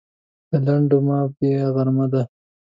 لنډو مه بیایه غرمه ده.